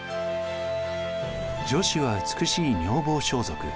女子は美しい女房装束